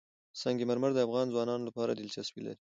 سنگ مرمر د افغان ځوانانو لپاره دلچسپي لري.